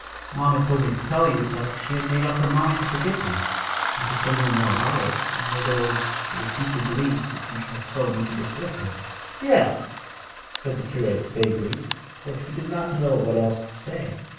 Mamma told me to tell you that she had made up her mind to forgive you, and to say no more about it, although she was deeply grieved that you should have so misunderstood her.' 'Yes,' said the curate vaguely, for he did not know what else to say.